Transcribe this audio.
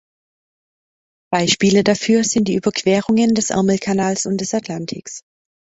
Beispiele dafür sind die Überquerungen des Ärmelkanals und des Atlantiks.